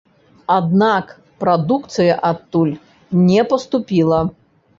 Аднак прадукцыя адтуль не паступіла.